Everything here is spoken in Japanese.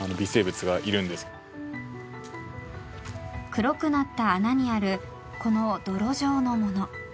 黒くなった穴にあるこの泥状のもの。